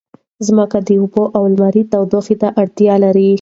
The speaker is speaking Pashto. ځمکه د اوبو او لمر تودوخې ته اړتیا لري.